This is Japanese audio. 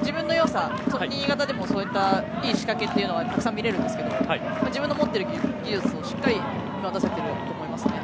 自分の良さ特に新潟でもそういったいい仕掛けがたくさん見れるんですけど自分の持ってる技術をしっかり出せていると思いますね。